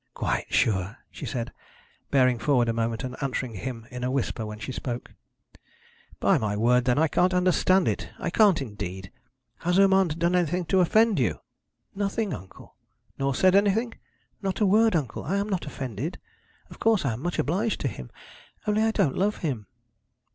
'Quite sure,' she said, bearing forward a moment, and answering him in a whisper when she spoke. 'By my word, then, I can't understand it. I can't indeed. Has Urmand done anything to offend you?' 'Nothing, uncle.' 'Nor said anything?' 'Not a word; uncle. I am not offended. Of course I am much obliged to him. Only I don't love him.'